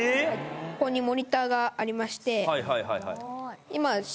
ここにモニターがありまして